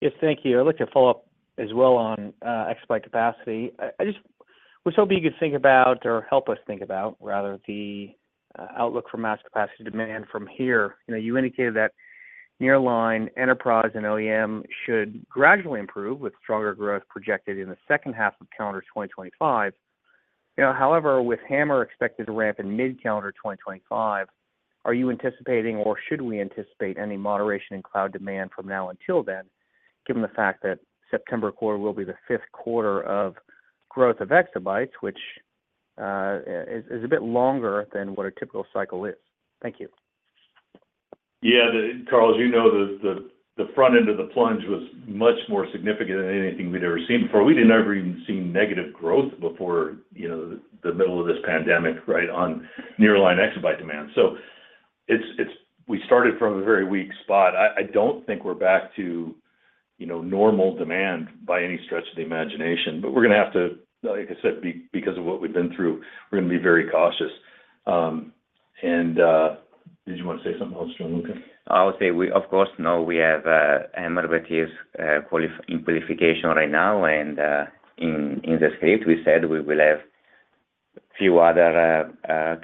Yes, thank you. I'd like to follow up as well on Exabyte capacity. I just was hoping you could think about or help us think about, rather, the outlook for mass capacity demand from here. You indicated that Nearline enterprise and OEM should gradually improve with stronger growth projected in the second half of calendar 2025. However, with HAMR expected to ramp in mid-calendar 2025, are you anticipating or should we anticipate any moderation in cloud demand from now until then, given the fact that September quarter will be the fifth quarter of growth of exabytes, which is a bit longer than what a typical cycle is? Thank you. Yeah. Karl, as you know, the front end of the plunge was much more significant than anything we'd ever seen before. We didn't ever even see negative growth before the middle of this pandemic, right, on nearline exabyte demand. So we started from a very weak spot. I don't think we're back to normal demand by any stretch of the imagination, but we're going to have to, like I said, because of what we've been through, we're going to be very cautious. And did you want to say something else, Gianluca? I would say, of course, no. We have HAMR that is in qualification right now, and in the script, we said we will have a few other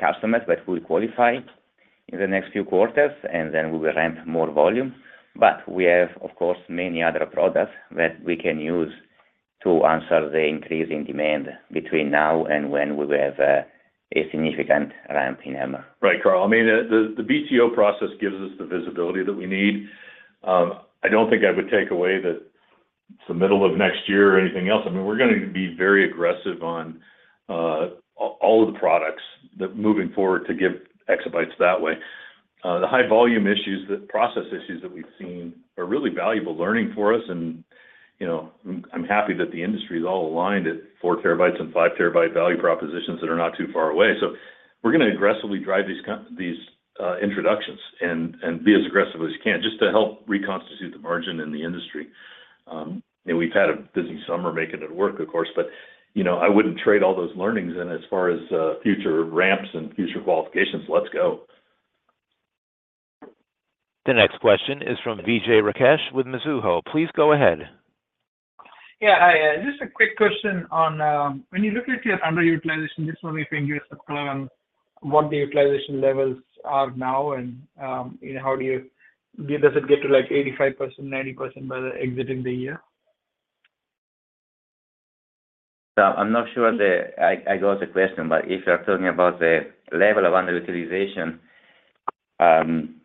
customers that will qualify in the next few quarters, and then we will ramp more volume. But we have, of course, many other products that we can use to answer the increase in demand between now and when we have a significant ramp in HAMR. Right, Karl. I mean, the BTO process gives us the visibility that we need. I don't think I would take away that the middle of next year or anything else. I mean, we're going to be very aggressive on all of the products moving forward to give exabytes that way. The high-volume issues, the process issues that we've seen are really valuable learning for us, and I'm happy that the industry is all aligned at 4 terabytes and 5 terabyte value propositions that are not too far away. So we're going to aggressively drive these introductions and be as aggressive as you can just to help reconstitute the margin in the industry. We've had a busy summer making it work, of course, but I wouldn't trade all those learnings in as far as future ramps and future qualifications. Let's go. The next question is from Vijay Rakesh with Mizuho. Please go ahead. Yeah. Hi. Just a quick question on when you look at your underutilization. Just want to begin with a question on what the utilization levels are now and how does it get to like 85%, 90% by the end of the year? I'm not sure I got the question, but if you're talking about the level of underutilization,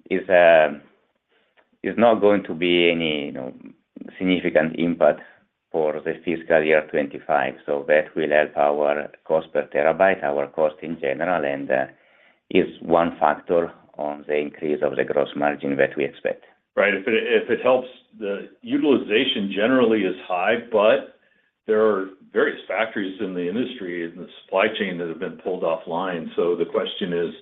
it's not going to be any significant impact for the fiscal year 2025. So that will help our cost per terabyte, our cost in general, and is one factor on the increase of the gross margin that we expect. Right. If it helps, the utilization generally is high, but there are various factories in the industry and the supply chain that have been pulled offline. So the question is,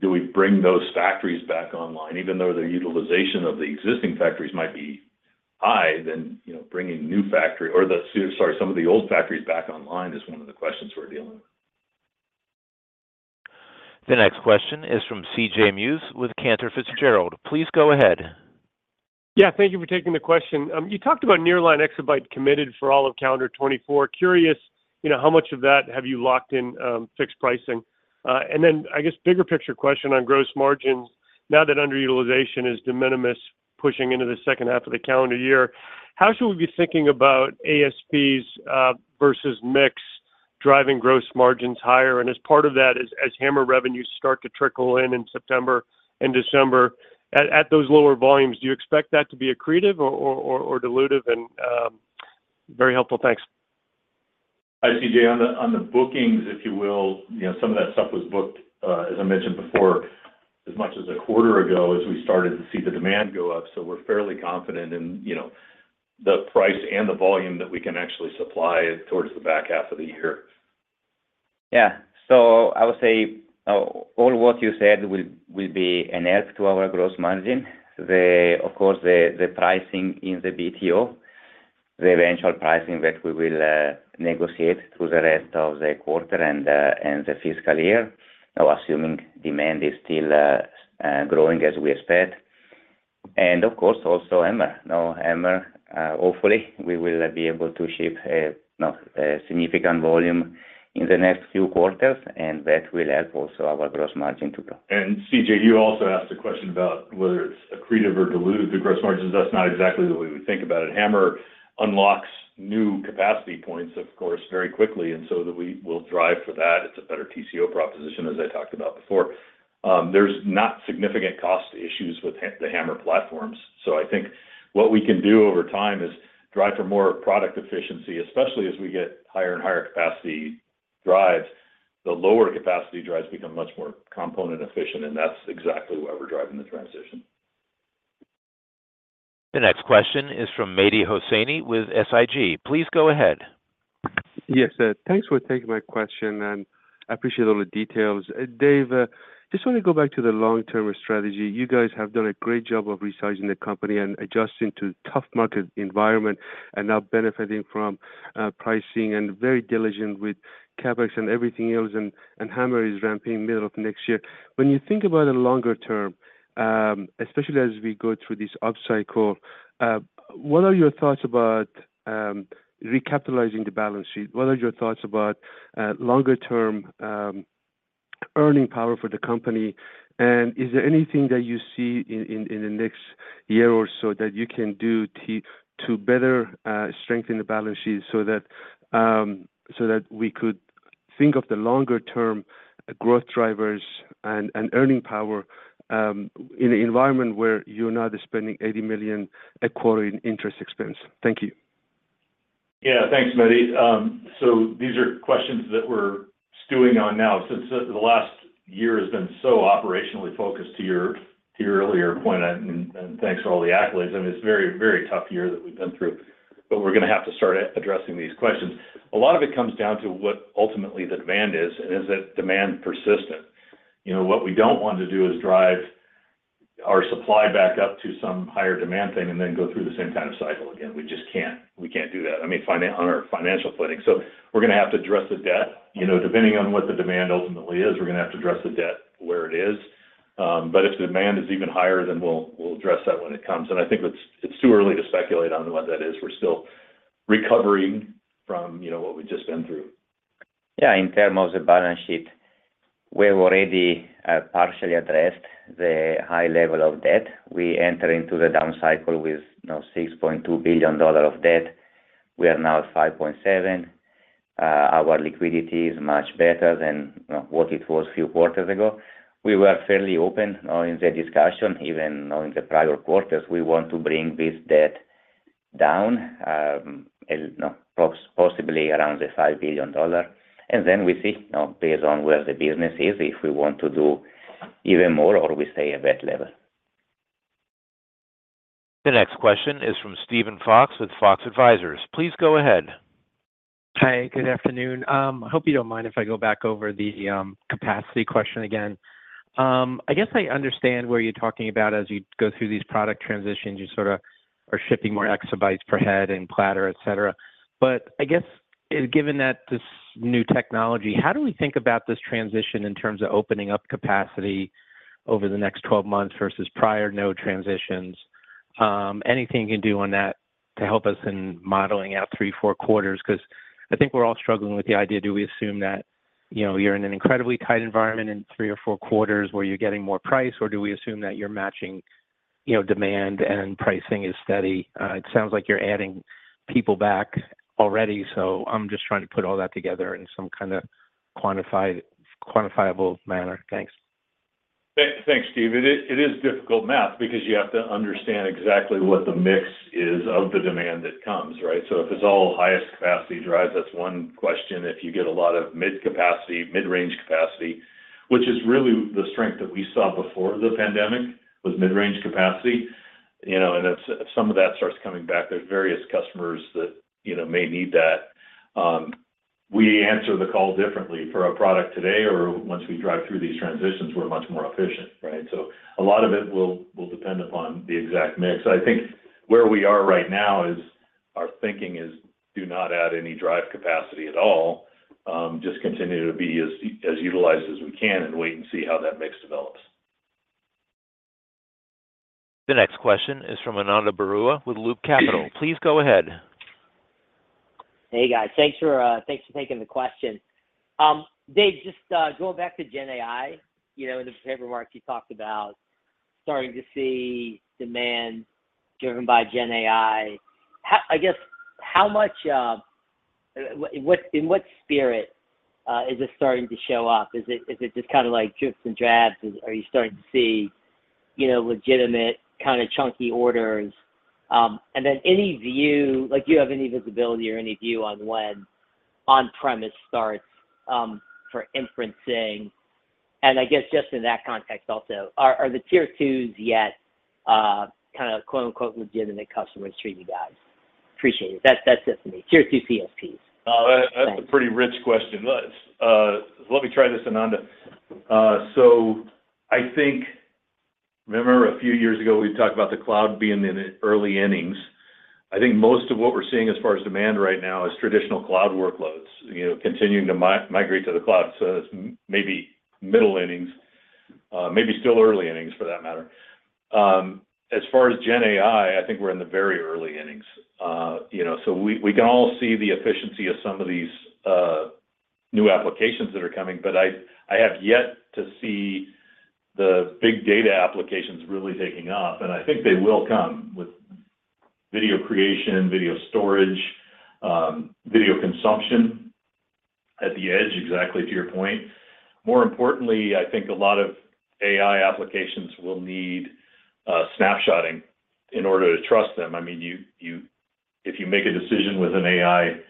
do we bring those factories back online? Even though the utilization of the existing factories might be high, then bringing new factory or, sorry, some of the old factories back online is one of the questions we're dealing with. The next question is from C.J. Muse with Cantor Fitzgerald. Please go ahead. Yeah. Thank you for taking the question. You talked about nearline exabyte committed for all of calendar 2024. Curious how much of that have you locked in fixed pricing. And then I guess bigger picture question on gross margins. Now that underutilization is de minimis pushing into the second half of the calendar year, how should we be thinking about ASPs versus mix driving gross margins higher? And as part of that, as HAMR revenues start to trickle in in September and December at those lower volumes, do you expect that to be accretive or dilutive? And very helpful. Thanks. Hi, C.J. On the bookings, if you will, some of that stuff was booked, as I mentioned before, as much as a quarter ago as we started to see the demand go up. So we're fairly confident in the price and the volume that we can actually supply towards the back half of the year. Yeah. So I would say all what you said will be an add to our gross margin. Of course, the pricing in the BTO, the eventual pricing that we will negotiate through the rest of the quarter and the fiscal year, assuming demand is still growing as we expect. And of course, also HAMR. HAMR, hopefully, we will be able to ship a significant volume in the next few quarters, and that will help also our gross margin to grow. C.J., you also asked a question about whether it's accretive or dilutive to gross margins. That's not exactly the way we think about it. HAMR unlocks new capacity points, of course, very quickly, and so we will drive for that. It's a better TCO proposition, as I talked about before. There's not significant cost issues with the HAMR platforms. So I think what we can do over time is drive for more product efficiency, especially as we get higher and higher capacity drives. The lower capacity drives become much more component efficient, and that's exactly why we're driving the transition. The next question is from Mehdi Hosseini with SIG. Please go ahead. Yes. Thanks for taking my question, and I appreciate all the details. Dave, just want to go back to the long-term strategy. You guys have done a great job of resizing the company and adjusting to a tough market environment and now benefiting from pricing and very diligent with CapEx and everything else. HAMR is ramping middle of next year. When you think about the longer term, especially as we go through this upcycle, what are your thoughts about recapitalizing the balance sheet? What are your thoughts about longer-term earning power for the company? And is there anything that you see in the next year or so that you can do to better strengthen the balance sheet so that we could think of the longer-term growth drivers and earning power in an environment where you're not spending $80 million a quarter in interest expense? Thank you. Yeah. Thanks, Mehdi. So these are questions that we're stewing on now since the last year has been so operationally focused to your earlier point, and thanks for all the accolades. I mean, it's a very, very tough year that we've been through, but we're going to have to start addressing these questions. A lot of it comes down to what ultimately the demand is, and is it demand persistent? What we don't want to do is drive our supply back up to some higher demand thing and then go through the same kind of cycle again. We just can't. We can't do that. I mean, on our financial footing. So we're going to have to address the debt. Depending on what the demand ultimately is, we're going to have to address the debt where it is. But if the demand is even higher, then we'll address that when it comes. And I think it's too early to speculate on what that is. We're still recovering from what we've just been through. Yeah. In terms of the balance sheet, we've already partially addressed the high level of debt. We entered into the down cycle with $6.2 billion of debt. We are now at $5.7 billion. Our liquidity is much better than what it was a few quarters ago. We were fairly open in the discussion, even in the prior quarters. We want to bring this debt down, possibly around the $5 billion. And then we see, based on where the business is, if we want to do even more or we stay at that level. The next question is from Steven Fox with Fox Advisors. Please go ahead. Hi. Good afternoon. I hope you don't mind if I go back over the capacity question again. I guess I understand what you're talking about as you go through these product transitions. You sort of are shipping more exabytes per head and platter, etc. But I guess, given this new technology, how do we think about this transition in terms of opening up capacity over the next 12 months versus prior no transitions? Anything you can do on that to help us in modeling out 3, 4 quarters? Because I think we're all struggling with the idea, do we assume that you're in an incredibly tight environment in 3 or 4 quarters where you're getting more price, or do we assume that you're matching demand and pricing is steady? It sounds like you're adding people back already, so I'm just trying to put all that together in some kind of quantifiable manner. Thanks. Thanks, Steve. It is difficult math because you have to understand exactly what the mix is of the demand that comes, right? So if it's all highest capacity drives, that's one question. If you get a lot of mid-range capacity, which is really the strength that we saw before the pandemic, was mid-range capacity. And if some of that starts coming back, there's various customers that may need that. We answer the call differently for a product today, or once we drive through these transitions, we're much more efficient, right? So a lot of it will depend upon the exact mix. I think where we are right now is our thinking is do not add any drive capacity at all. Just continue to be as utilized as we can and wait and see how that mix develops. The next question is from Ananda Baruah with Loop Capital. Please go ahead. Hey, guys. Thanks for taking the question. Dave, just going back to GenAI, the paperwork you talked about, starting to see demand driven by GenAI, I guess, in what spirit is it starting to show up? Is it just kind of like dribs and drabs? Are you starting to see legitimate kind of chunky orders? And then do you have any visibility or any view on when on-premise starts for inferencing? And I guess just in that context also, are the tier twos yet kind of "legitimate customers" for you guys? Appreciate it. That's it for me. Tier two CSPs. That's a pretty rich question. Let me try this, Ananda. So I think, remember, a few years ago, we talked about the cloud being in the early innings. I think most of what we're seeing as far as demand right now is traditional cloud workloads continuing to migrate to the cloud. So it's maybe middle innings, maybe still early innings for that matter. As far as GenAI, I think we're in the very early innings. So we can all see the efficiency of some of these new applications that are coming, but I have yet to see the big data applications really taking off. And I think they will come with video creation, video storage, video consumption at the edge, exactly to your point. More importantly, I think a lot of AI applications will need snapshotting in order to trust them. I mean, if you make a decision with an AI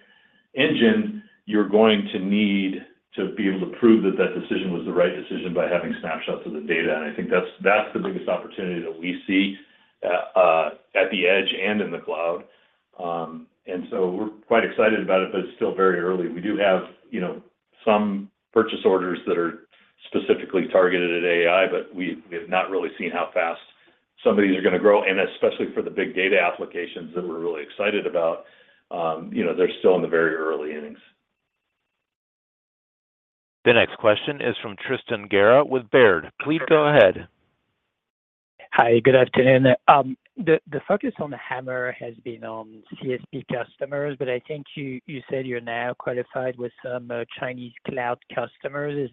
engine, you're going to need to be able to prove that that decision was the right decision by having snapshots of the data. And I think that's the biggest opportunity that we see at the edge and in the cloud. And so we're quite excited about it, but it's still very early. We do have some purchase orders that are specifically targeted at AI, but we have not really seen how fast some of these are going to grow. And especially for the big data applications that we're really excited about, they're still in the very early innings. The next question is from Tristan Gerra with Baird. Please go ahead. Hi. Good afternoon. The focus on the HAMR has been on CSP customers, but I think you said you're now qualified with some Chinese cloud customers.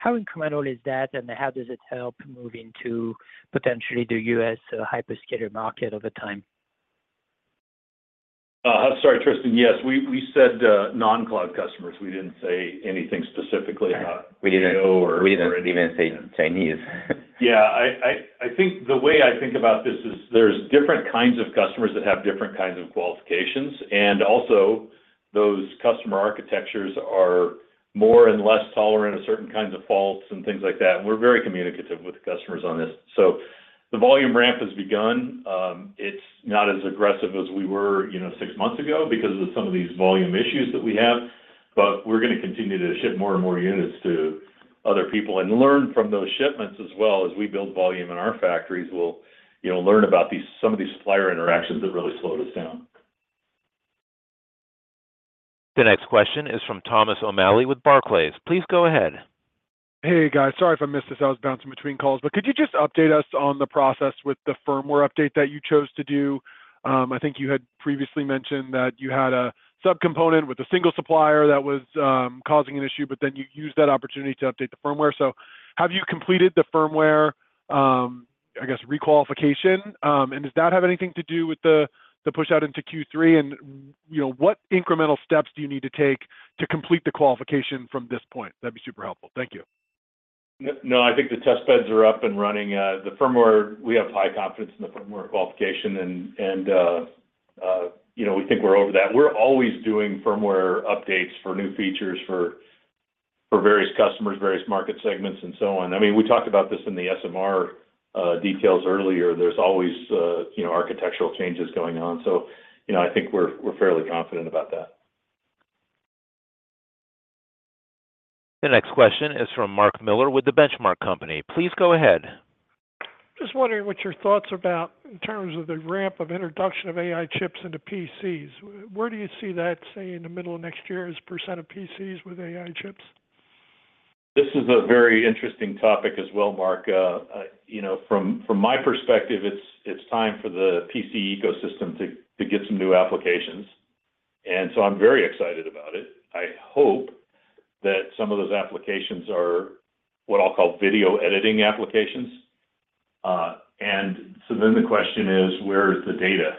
How incremental is that, and how does it help moving to potentially the US hyperscaler market over time? Sorry, Tristan. Yes. We said non-cloud customers. We didn't say anything specifically about. We didn't know or we didn't even say Chinese. Yeah. I think the way I think about this is there's different kinds of customers that have different kinds of qualifications. And also, those customer architectures are more and less tolerant of certain kinds of faults and things like that. And we're very communicative with customers on this. So the volume ramp has begun. It's not as aggressive as we were six months ago because of some of these volume issues that we have. But we're going to continue to ship more and more units to other people. And learn from those shipments as well as we build volume in our factories, we'll learn about some of these supplier interactions that really slowed us down. The next question is from Thomas O’Malley with Barclays. Please go ahead. Hey, guys. Sorry if I missed this. I was bouncing between calls. Could you just update us on the process with the firmware update that you chose to do? I think you had previously mentioned that you had a subcomponent with a single supplier that was causing an issue, but then you used that opportunity to update the firmware. Have you completed the firmware, I guess, requalification? Does that have anything to do with the push out into Q3? What incremental steps do you need to take to complete the qualification from this point? That'd be super helpful. Thank you. No, I think the test beds are up and running. We have high confidence in the firmware qualification, and we think we're over that. We're always doing firmware updates for new features for various customers, various market segments, and so on. I mean, we talked about this in the SMR details earlier. There's always architectural changes going on. So I think we're fairly confident about that. The next question is from Mark Miller with the Benchmark Company. Please go ahead. Just wondering what your thoughts are about in terms of the ramp of introduction of AI chips into PCs. Where do you see that, say, in the middle of next year as % of PCs with AI chips? This is a very interesting topic as well, Mark. From my perspective, it's time for the PC ecosystem to get some new applications. And so I'm very excited about it. I hope that some of those applications are what I'll call video editing applications. And so then the question is, where is the data?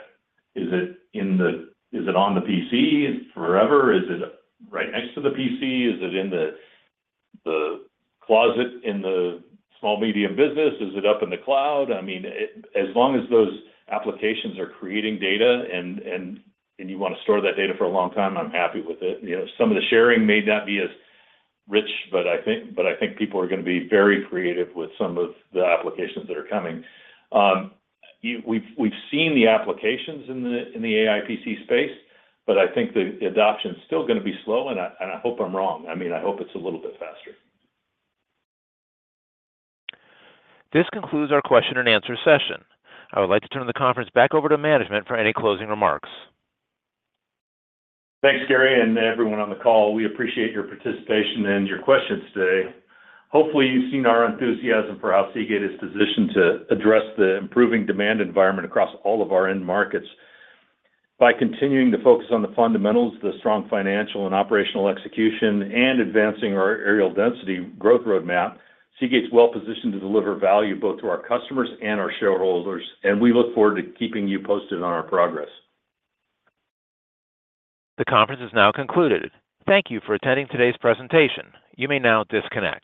Is it on the PC forever? Is it right next to the PC? Is it in the closet in the small medium business? Is it up in the cloud? I mean, as long as those applications are creating data and you want to store that data for a long time, I'm happy with it. Some of the sharing may not be as rich, but I think people are going to be very creative with some of the applications that are coming. We've seen the applications in the AI PC space, but I think the adoption is still going to be slow, and I hope I'm wrong. I mean, I hope it's a little bit faster. This concludes our question and answer session. I would like to turn the conference back over to management for any closing remarks. Thanks, Gary, and everyone on the call. We appreciate your participation and your questions today. Hopefully, you've seen our enthusiasm for how Seagate is positioned to address the improving demand environment across all of our end markets. By continuing to focus on the fundamentals, the strong financial and operational execution, and advancing our areal density growth roadmap, Seagate's well-positioned to deliver value both to our customers and our shareholders. We look forward to keeping you posted on our progress. The conference is now concluded. Thank you for attending today's presentation. You may now disconnect.